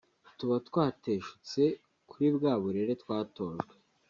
tuba twateshutse kuri bwa burere twatojwe